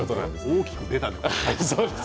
大きく出たね。